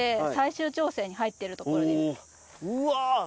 うわ。